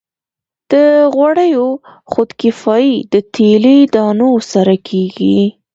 د غوړیو خودکفايي د تیلي دانو سره کیږي.